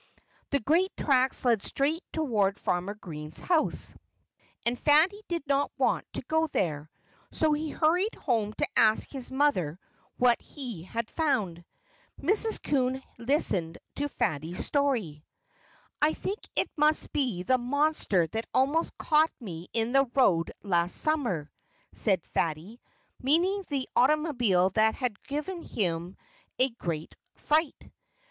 The great tracks led straight toward Farmer Green's house. And Fatty did not want to go there. So he hurried home to ask his mother what he had found. Mrs. Coon listened to Fatty's story. "I think it must be the monster that almost caught me in the road last summer," said Fatty, meaning the automobile that had given him a great fright.